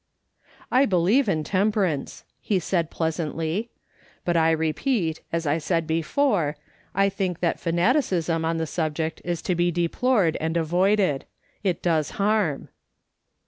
" I believe in temperance," he said pleasantly. " But I repeat, as I said before, I think that fanati cism on the subject is to be deplored and avoided ; it does harm."